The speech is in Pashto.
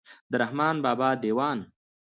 د رحمان بابا دېوان.